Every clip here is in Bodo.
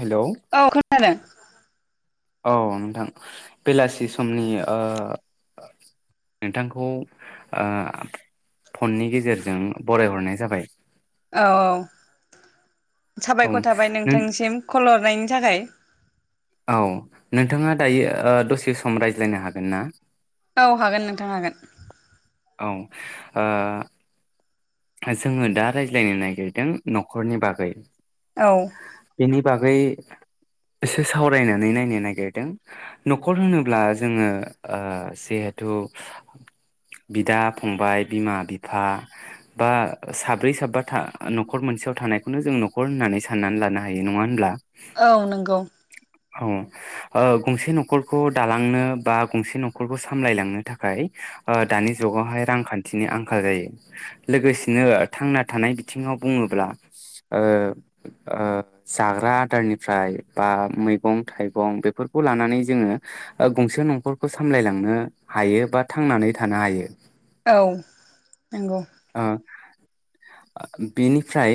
हेलौ औ खोनादों अ नोंथां बेलासि समनि ओ नोंथांखौ ओ फननि गेजेरजों बरायहरनाय जाबाय औ औ औ साबायखर थाबाय नों नोंथांनिसिम खल हरनायनि थाखाय औ नोंथाङा दायो दसे सम रायज्लायनो हागोन ना? औ हागोन नोंथां हागोन औ ओ जोङो दा रायज्लायनो नागिरदों न'खरनि बागै औ बागै एसे सावरायनानै नायनो नागिरदों। न'खर होनोब्ला जोङो ओ जिहेथु बिदा फंबाय बिमा बिफा बा साब्रै साबा था न'खर मोनसेयाव थानायखौनो जों न'खर होननानै साननानै लानो हायो नङा होनब्ला औ नंगौ औ गंसे न'खरखौ दालांनो बा गंसे न'खरखौ सामलायलांनो थाखाय ओ दानि जुगावहाय रांखान्थिनि आंखाल जायो लोगोसेनो थांना थानाय बिथिङाव बुङोब्ला ओ ओ जाग्रा आदारनिफ्राय बा मैगं थाइगं बेफोरखौ लानानै जोङो गंसे न'खरखौ सामलायलांनो हायो बा थांनानै थानो हायो औ नंगौ बेनिफ्राय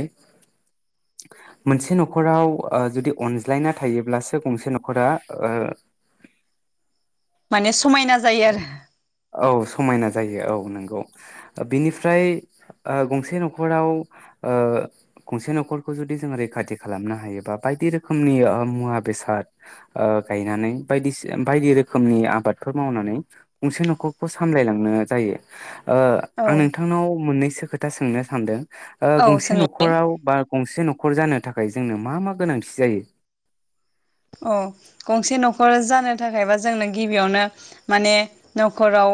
मोनसे न'खराव ओ जुदि अनज्लायना थायोब्लासो गंसे न'खरा ओ माने समायना जायो आरो औ समायना जायो औ नोंगौ बेनि फ्राय गंसे न'खराव ओ गंसे न'खरखौ जुदि जोङो रैखाथि खालामनो हायोबा बायदि रोखोमनि मुवा बेसाद ओ गायनानै बायदि बायदि रोखोमनि आबादफोर मावनानै गंसे न'खरखौ सामलायलांनो जायो ओ आंनो औ मोननैसो खोथा सोंनो सानदों ओ औ गंसे सोंलाय न'खराव बा गंसे न'खर जानो थाखाय थाखाय जोंनो मा मा गोनांथि जायो? अ गंसे न'खर जानो थाखायबा जोंनो गिबियावनो माने न'खराव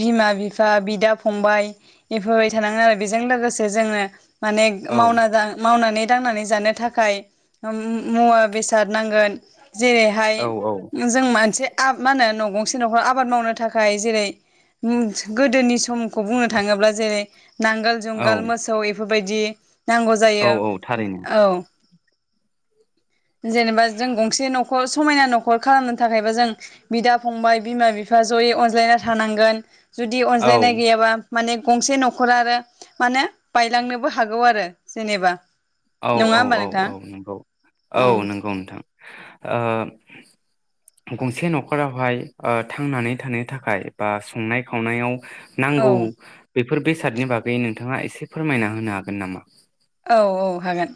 बिमा बिफा बिदा फंबाय एफोरबायदि थानांगोन आरो बेजों लोगोसे जोङो माने औ मावना जानो मावनानै दांनानै जानो थाखाय मुवा बेसाद नांगोन जेरैहाय औ औ जों मोनसे आ मा होनो न' गं गंसे न'खर आबाद मावनो थाखाय जेरै गोदोनि समखौ बुंनो थाङोब्ला जेरै नांगोल जुंगाल औ मोसौ एफोर बायदि नांगौ औ जायो औ थारैनो औ जेनेबा जों गंसे न'खर समायना न'खर खालामनो थाखायबो जों बिदा फंबाय बिमा बिफा जयै अनज्लायना थानांगोन जुदि औ अनज्लायनाय गैयाबा माने गंसे न'खर आरो माने बायलांनोबो हागौ आरो जेनेबा औ नङा औ होमबा औ नोंथां औ नंगौ औ नंगौ नोंथां ओ गंसे न'खरावहाय ओ थांनानै थानो थाखाय बा संनाय खावनायाव औ नांगौ बे बेफोर बेसादनि बागै नोंथाङा एसे फोरमायना होनो हागोन नामा? औ औ हागोन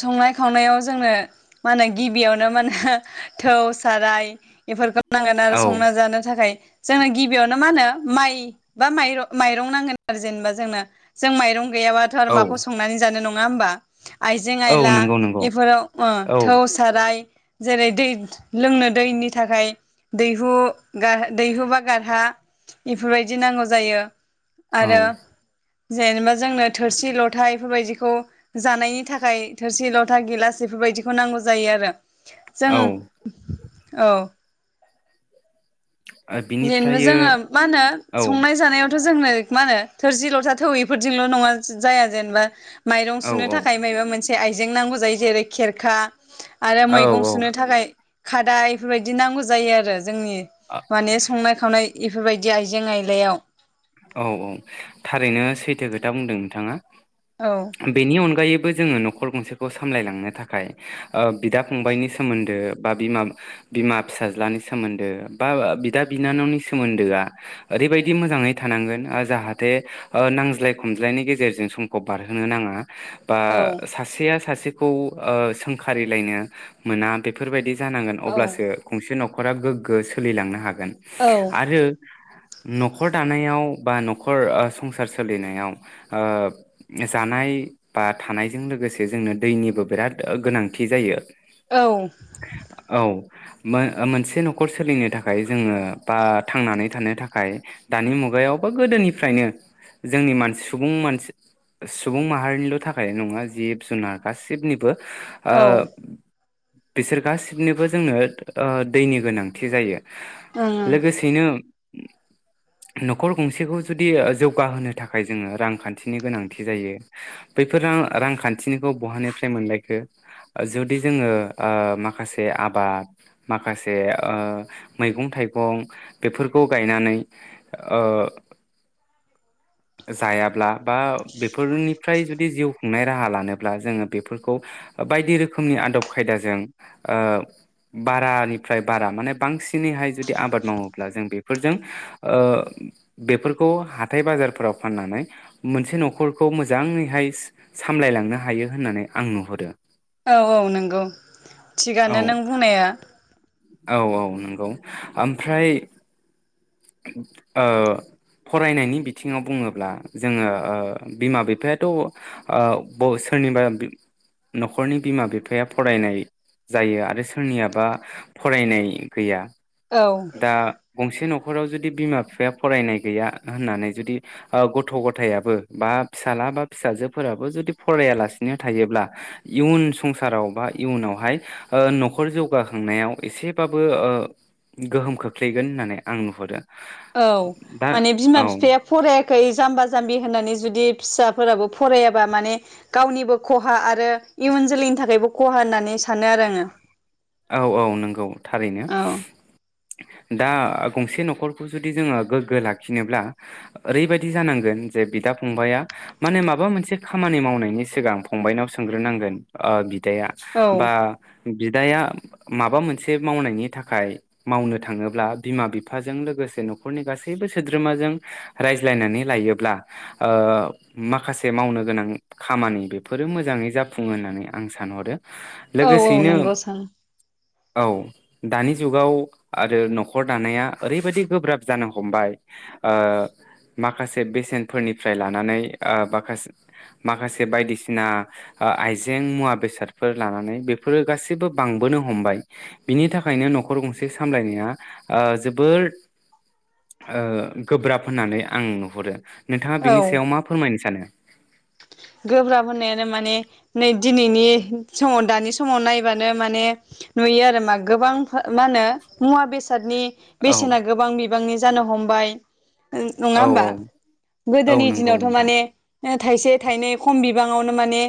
संनाय खावनायाव जोंनो मा होनो गिबियावनो मा होनो थौ साराय बेफोरखौ नांगोन आरो औ संना जानो थाखाय जोंनो गिबियावनो मा होनो माइ बा माइर माइरं नांगोन आरो जेनेबा जोंनो जों माइरं गैयाबाथ' आरो औ माखौ संनानै जानो नङा होमबा आइजें औ आयला नंगौ नंगौ एफोराव ओ औ थौ साराय जेरै दै लोंनो दैनि थाखाय दैहु गार दैहु बा गारहा बेफोरबायदि नांगौ जायो। औ आरो जेनेबा जोंनो थोरसि ल था बेफोरबायदिखौ जानायनि थाखाय थोरसि लथा गिलास बेफोरबायदिखौ नांगौ जायो आरो जों औ औ [unintelligible] बिनिफ्रायो जोङो मा होनो औ संनाय जानायाव थ' जोंनो मा होनो थोरसि ल'था थौ एफोरजोंल' नङा जाया जेनेबा माइरं सुनो औ थाखाय माबेबा मोन से आइजें नांगौ जायो जेरै खेरखा आरो औ मैगं औ सुनो थाखाय खादा इफोरबायदि नांगौ जायो आरो जोंनि बे संनाय खावनाय इफोरबायदि आइजें आयलायाव। औ औ थारैनो सैथो खोथा बुंदों नोंथाङा। औ बेनि अनगायै बो जोङो न'खर गंसेखौ सामलायलांनो थाखाय ओ बिदा फंबायनि सोमोन्दो बा बिमा बिमा फिसाज्लानि सोमोन्दो बा ओ बिदा बिनानावनि सोमोन्दोआ ओरैबायदि मोजाङै थानांगोन ओ जाहाथे ओ नांज्लाय खमज्लायनि गेजेरजों समखौ बारहोनो नाङा। बा औ सासेया सासे खौ ओ सोंखारिलायनो मोना बेफोरबायदि जानांगोन औ अब्लासो गंसे न' खरा गोग्गो सोलि लांनो हाग गोन औ आरो न'खर दानायाव बा न'खर ओ संसार सोलिनायाव जानाय बा थानायजों लोगोसे जोंनो दैनिबो बिराद ओ गोनांथि जायो। औ औ मो ओ मोनसे न'खर सोलिनो थाखाय जोङो बा थांनानै थानो थाखाय दानि मुगायाव बा गोदोनिफ्रायनो जोंनि मानसि सुबुं मानसि सुबुं माहारिनिल' थाखाय नङा जिब जुनार गासिबनि बो ओ ओं बिसोर गासिबनोबो जोङो ओ दैनि गोनांथि जायो। ओं लोगोसेनो न'खर गंसेखौ जुदि ओ जौगाहोनो थाखाय जोङो रांखान्थिनि गोनांथि जायो बैफोर रां रांखान्थिनिखौ बहानिफ्राय मोनलायखो जुदि जोङो ओ माखासे आबाद माखासे ओ मैगं थाइगं बेफोरखौ गायनानै ओ जायाब्ला बा बेफोरनिफ्राय जुदि जिउ खुंनाय राहा लानोब्ला जोङो बेफोरखौ बायदि रोखोमनि आदब खायदाजों ओ बारानिफ्राय बारा माने बांसिनैहाय जुदि आबाद मावोब्ला जों बेफोरजों ओ बेफोरखौ हाथाय बाजारफोराव फाननानै मोनसे न'खरखौ मोजाङैहाय सा सामलायलांनो हायो होननानै आं नुहरो। औ औ नोंगौ औ थिगानो नों बुंनाया। नोंगौ आमफ्राय ओ फरायनायनि बिथिङाव बुङोब्ला जोङो ओ बिमा बिफायाथ' आ ब सोरनिबा न'खरनि बिमा बिफाया फरायनाय जायो आरो सोरनियाबा फरायनाय गैया। औ दा गंसे न' खराव जुदि बिमा बिफाया फरायनाय गैया होननानै जुदि ओ गथ' गथायाबो बा फिसाला बा फिसाजोफोराबो जुदि फरायालासिनो थायोब्ला इयुन संसाराव बा इयुनावहाय ओ न'खर जौगाखांनायाव एसेबाबो ओ गोहोम खोख्लैगोन होननानै आं नुहुरो। औ दा माने बिमा औ बिफाया फरायाखै जाम्बा जाम्बि होननानै जुदि फिसा फोराबो फरायाबा माने गावनिबो खहा आरो इयुन जोलैनि थाखायबो खहा होननानै सानो आरो आङो। औ औ नोंगौ थारैनो। दा गंसे न'खरखौ जुदि जोङो गोग्गो लाखिनोब्ला ओरैबायदि जानांगोन जे बिदा फंबाया माने माबा मोनसे खामानि मावनायनि सिगां फंबनाव सोंग्रोनांगोन ओ बि दाया औ बा बिदाया माबा मोनसे मावनायनि थाखाय मावनो थाङोब्ला बिमा बिफाजों लोगोसे न'खरनि गासैबो सोद्रोमाजों रायज्लायनानै लायोब्ला ओ माखासे मावनो गोनां खामानि बेफोरो मोजाङै जाफुङो होननानै आं सानहरो। औ औ लोगोसेयैनो नोंगौ सां औ दानि जुगाव आरो न'खर दानाया ओरैबायदि गोब्राब जानो हमबाय ओ माखासे बेसेनफोरनिफ्राय लानानै ओ बाखासे माखासे बायदिसिना ओ आइजें मुवा बेसादफोर लानानै बेफोरो गासिबो बांबोनो हमबाय बिनि थाखायनो न'खर गंसे सामलायनाया ओ जोबोर ओ गोब्राब होननानै आं नुहुरो। नोंथाङा बिनि औ सायाव मा फोरमायनो सानो? गोब्राब होननायानो माने नै दिनैनि समाव दानि समाव नायबानो माने नुयो आरो मा गोबां फा मा होनो मुवा बेसादनि औ बेसेना गोबां बि बांनि जानो हमबाय ओं नङा औ होमबा औ औ गोदोनि नंगौ दिनावथ' नोंथां माने थाइसे थाइनै खम बिबाङावनो माने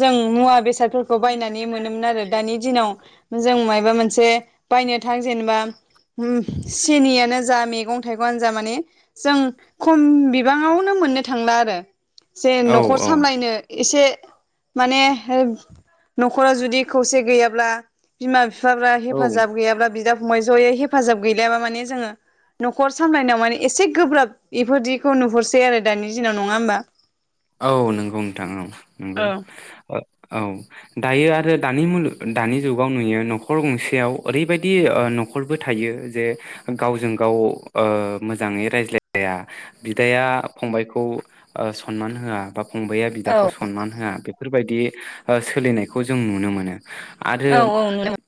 जों मुवा बेसाद फोरखौ बायनानै मोनोमोन आरो दानि दिनाव जों मायबा मोनसे बायनो थां जेनबा उम सिनियानो जा मैगं थाइगंआनो जा माने जों खम बिबाङावनो मोननो थांला आरो। जेन औ न'खर औ सामलायनो एसे माने हो न'खरा जुदि खौसे गैयाब्ला बिमा फि फाफ्रा औ हेफाजाब गैयाब्ला बिदा फंबाय ज'यै हेफाजाब गैलायाबा माने जोङो न'खर सामलायनायाव माने एसे गोब्राब इफोरदिखौ नुहरसै आरो दानि दिनाव। नङा होमबा? नोंगौ। औ ओ औ दायो आरो दानि मुलु दानि जुगाव नुयो न'खर गंसेयाव ओरैबायदि ओ न'खरबो थायो जे गावजों गाव ओ मोजाङै रायज्लायलाया बिदाया फंबायखौ ओ स नमान होआ बा फंबाया औ बिदाखौ सनमान होआ बे फोरबायदि ओ सोलिनायखौ जों नुनो मोनो। आरो औ औ नुनो [inaudible]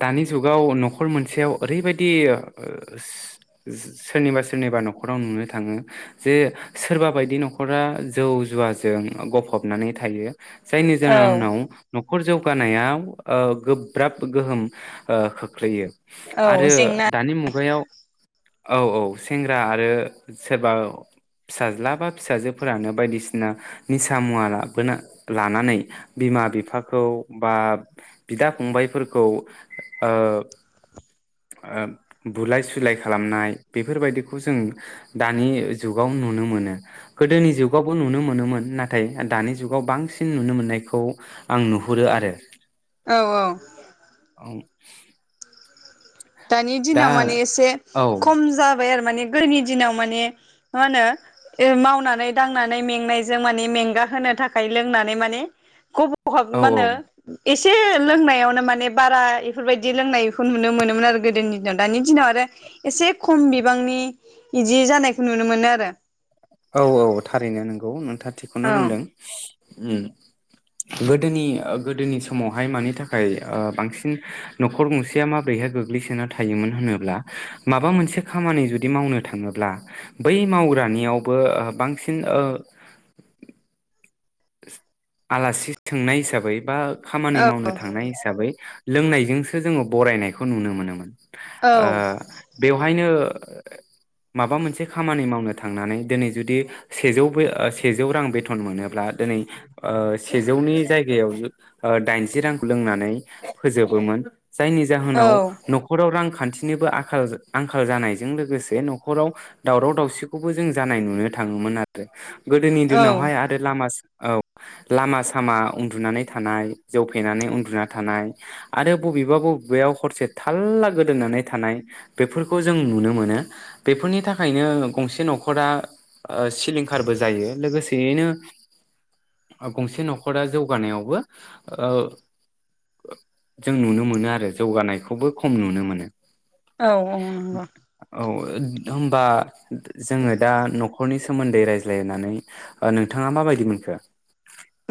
दानि जुगाव न'खर मोनसेयाव ओरैबायदि ओ सोरनिबा सोरनिबा न'खराव नुनो थाङो जे सोरबा बायदि न'खरा जौ जुवाजों गफबनानै थायो। जायनि औ जाउनाव न' खर जौगानायाव ओ गोब्राब गोहोम ओ खोख्लैयो। औ आरो जेंना दानि मुगायाव औ औ सेंग्रा आरो सोरबा फिसाज्ला बा फिसाजोफोरानो बायदिसिना निसा मुवा लाबोना लानानै बिमा बिफाखौ बा बिदा फंबायफोरखौ ओ ओ बुलाय सुलाय खालामनाय बेफोरबायदिखौ जों दानि जुगाव नुनो मोनो। गोदोनि जुगावबो नुनो मोनोमोन नाथाय दानि जुगाव बांसिन नुनो मोननायखौ आं नुहुरो आरो। औ औ। आं दानि दिनाव मानि एसे औ खम जा बाय आरो माने गोदोनि दिनाव माने मा‌ होनो‌ ओ मावनानै दांनानै मेंनायजों माने मेंगा होनो थाखाय लोंनानै माने खब हाब औ मा होनो एसे लोंनायावनो माने बारा इफोरबायदि लोंनायखौ नुनो मोनोमोन आरो गोदोनि दिनाव दानि दिनाव आरो एसे खम बिबांनि बिदि जानायखौ नुनो मोनो आरो औ औ औ थारैनो नोंथाङा थिगखौनो औ बुंदों ओम गोदोनि गोदोनि समावहाय मानि थाखाय ओ‌बांसिन न'खर गंसेया माबोरैहाय गोग्लैसोना थायोमोन होनोब्ला माबा मोनसे खामानि जुदि मावनो थाङोब्ला बै मावग्रानियाव बो बांसिन ओ आलासि सोंनाय हिसाबै बा औ खामानि मावनो थांनाय हिसाबै लोंनायजोंसो जोङो बरायनायखौ नुनो मोनोमोन औ ओ बेवहायनो माबा मोनसे खामानि मावनो थांनानै दिनै जुदि सेजौ सेजौ रां बेथन मोनोब्ला दिनै ओ सेजौनि जायगायाव दाइनजि रांखौ लोंनानै फोजोबोमोन जायनि जाहोनाव औ न'खराव रां खान्थिनिबो आं आंखाल जानायजों लोगोसे न'खराव दावराव दावसिखौबो जों जानाय नुनो थाङोमोन आरो गोदोनि औ दिनावहाय औ आरो लामा औ लामा सामा उन्दुनानै थानाय जौ फेनानै उन्दुना थानाय आरो बबेबा बबेयाव हरसे थाल्ला गोदोनानै थानाय बेफोरखौ जों नुनो मोनो बेफोरनि थाखायनो गंसे न'खराओ सिलिंखारबो जायो लोगोसेयैनो गंसे न'खरा जौगानायावबो ओ जों नुनो मोनो आरो जौगानायखौबो खम नुनो मोनो। औ औ नंगौ औ होमबा जोङो दा न'खर न'खरनि सोमोन्दै रायज्लायनानै नोंथाङा माबायदि मोनखो?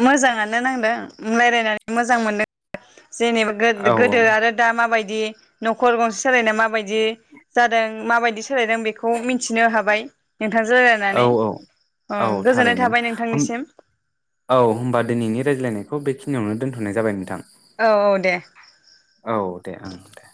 मोजाङानो नांदों रायज्लायनानै मोजां मोनदों जेनेबा औ गोदो आरो दा माबायदि दि नखर गंसे सालायनायाव मबायदि जादों माबायदि सोलायदों बेखौ मिथिनो हाबाय नोंथांजों औ रायलायनानै औ गोजोननाय थारैनो थाबाय होम नोंथांनिसिम औ होमबा दिनैनि रायज्लायनायखौ बेखिनियावनो दोन्थ'नाय जाबाय नोंथां औ औ दे औ दे ओं दे